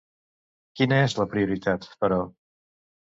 Quina és la prioritat, però?